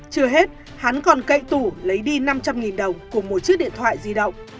chưa hết hắn còn cậy tủ lấy đi năm trăm linh đồng của một chiếc điện thoại di động